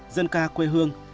dân ca quê hương